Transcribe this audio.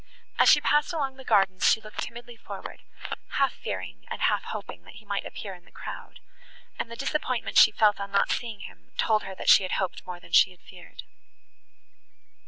As she passed along the gardens she looked timidly forward, half fearing and half hoping that he might appear in the crowd; and the disappointment she felt on not seeing him, told her, that she had hoped more than she had feared.